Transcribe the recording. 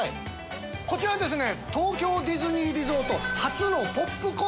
こちらですね。